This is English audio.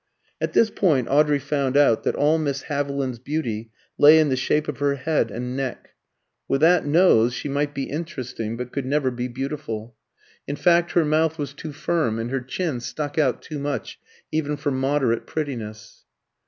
At this point Audrey found out that all Miss Haviland's beauty lay in the shape of her head and neck. With "that nose" she might be "interesting," but could never be beautiful; in fact, her mouth was too firm and her chin stuck out too much even for moderate prettiness.